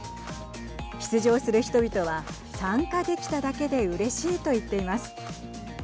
出場する人々は参加できただけでうれしいと言っています。